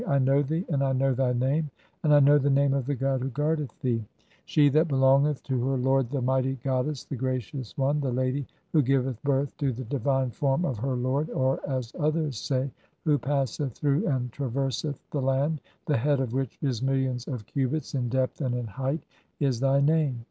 I know thee, and I know "thy name, and I know the name of the god who guardeth "thee (3o). 'She that belongeth to her lord, the mighty god "dess, the gracious one, the lady who giveth birth to the divine "form of her lord," or as others say, "who passeth through and "traverseth [the land], the head [of which] is millions of cubits "in depth and in height', is thy name.